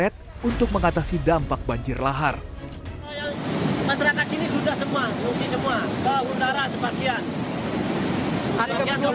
bantuan tersebut berupa bahan kebutuhan pokok dan sejumlah peralatan seperti sandbag sekop cangkuk dan kain